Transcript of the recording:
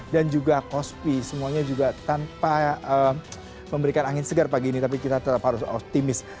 dan juga kospi semuanya juga tanpa memberikan angin segar pagi ini tapi kita tetap harus optimis